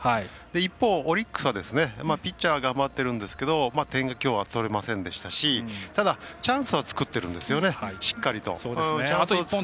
一方、オリックスはピッチャー頑張ってるんですが点がきょうは取れませんでしたしただ、チャンスは作ってるんですよね、しっかりと。